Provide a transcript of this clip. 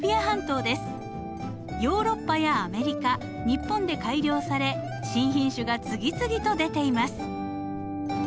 ヨーロッパやアメリカ日本で改良され新品種が次々と出ています。